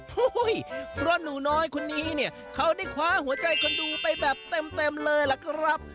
เฮ้ยเพราะหนูน้อยคนนี้เนี่ยเขาได้คว้าหัวใจคนดูไปแบบเต็มเลยล่ะครับ